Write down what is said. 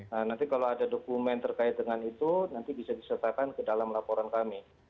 nah nanti kalau ada dokumen terkait dengan itu nanti bisa disertakan ke dalam laporan kami